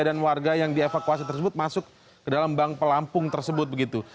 dan warga yang dievakuasi tersebut masuk ke dalam bank pelampung tersebut begitu